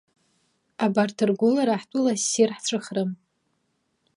Абарҭ ргәылара ҳтәыла ссир ҳҵәахрым!